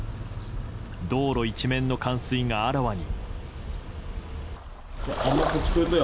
道路一面の冠水があらわに。